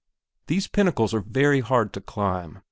These pinnacles are very hard to climb.